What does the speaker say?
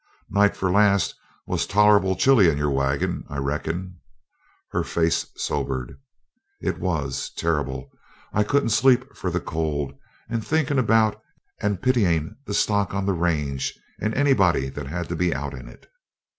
"Night 'fore last was tol'able chilly in your wagon, I reckon?" Her face sobered. "It was terrible! I couldn't sleep for the cold, and thinking about and pitying the stock on the range, and anybody that had to be out in it.